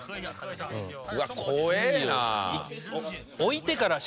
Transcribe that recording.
うわっ怖えな！